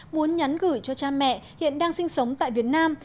muốn nhắn gửi cho cha mẹ hiện đang sinh sống tại việt nam